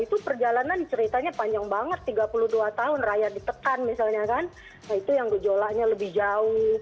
itu perjalanan ceritanya panjang banget tiga puluh dua tahun rakyat ditekan misalnya kan itu yang gejolaknya lebih jauh